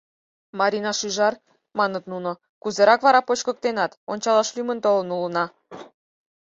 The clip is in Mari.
— Марина шӱжар, — маныт нуно, — кузерак вара почкыктенат, ончаш лӱмын толын улына.